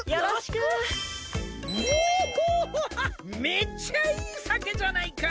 めっちゃいいさけじゃないか！